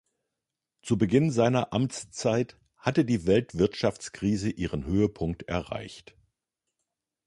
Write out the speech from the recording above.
Zu Beginn seiner Amtszeit hatte die Weltwirtschaftskrise ihren Höhepunkt erreicht.